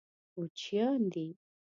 کوچیان دي.